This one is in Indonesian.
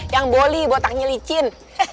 yang boli botaknya licin